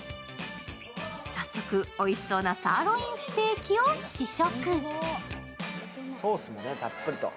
早速、おいしそうなサーロインステーキを試食。